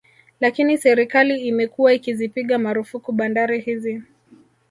Lakini serikali imekuwa ikizipiga marufuku bandari hizi